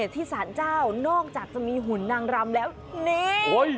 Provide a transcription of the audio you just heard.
ที่สารเจ้านอกจากจะมีหุ่นนางรำแล้วนี่